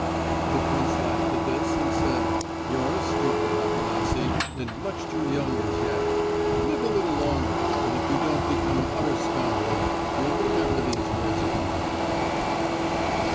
The prince laughed at this, and said: "You're a stupid, Afanasy, and much too young as yet. Live a little longer, and if you don't become an utter scoundrel, you'll remember these words of mine."